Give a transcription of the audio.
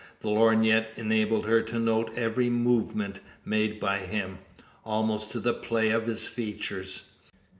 The lorgnette enabled her to note every movement made by him almost to the play of his features.